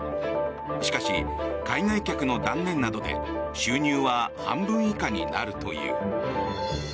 しかし、海外客の断念などで収入は半分以下になるという。